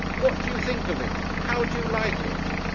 What do you think of it! How do you like it!